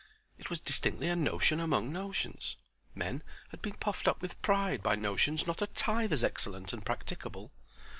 It was distinctly a Notion among notions. Men had been puffed up with pride by notions not a tithe as excellent and practicable.